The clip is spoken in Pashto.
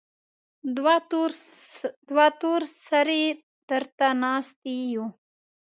دوه تور سرې درته ناستې يو.